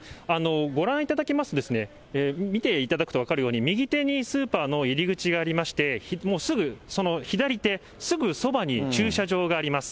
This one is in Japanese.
ご覧いただきますと、見ていただくと分かるように、右手にスーパーの入り口がありまして、もうすぐその左手、すぐそばに駐車場があります。